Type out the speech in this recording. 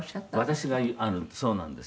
「私がそうなんです。